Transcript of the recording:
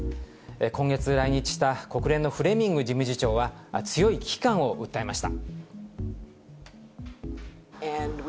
今月来日した国連のフレミング事務次長は、強い危機感を訴えました。